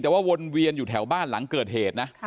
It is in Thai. แต่ว่าวนเวียนอยู่แถวบ้านหลังเกิดเหตุนะ